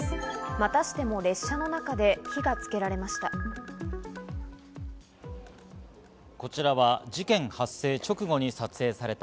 またしても列車の中で火がつけられました。